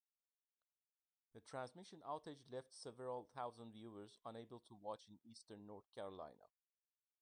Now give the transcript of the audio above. The transmission outage left several thousand viewers unable to watch in Eastern North Carolina.